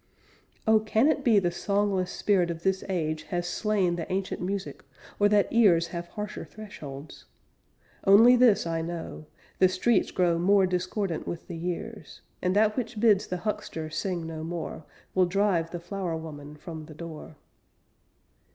Oh! Can it be the songless spirit of this age Has slain the ancient music, or that ears Have harsher thresholds? Only this I know: The streets grow more discordant with the years; And that which bids the huckster sing no more, Will drive the flower woman from the door.